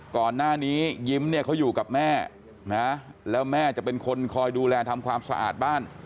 ก่อนหน้านี้ยิ้มเนี่ยเขาอยู่กับแม่นะแล้วแม่จะเป็นคนคอยดูแลทำความสะอาดบ้าน